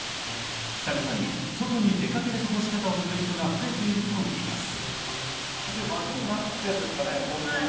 久々に外に出掛ける過ごし方をする人が増えているといいます。